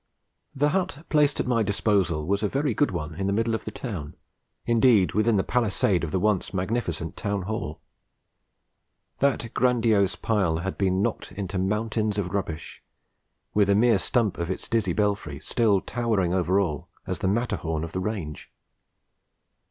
The hut placed at my disposal was a very good one in the middle of the town, indeed within the palisade of the once magnificent Town Hall. That grandiose pile had been knocked into mountains of rubbish, with the mere stump of its dizzy belfry still towering over all as the Matterhorn of the range.